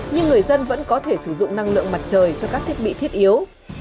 nhưng người dân vẫn có thể sử dụng năng lượng mặt trời cho các thiết bị thiết yếu